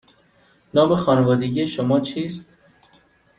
نام خانوادگی شما چیست؟